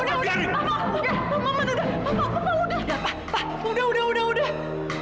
ya papa udah udah udah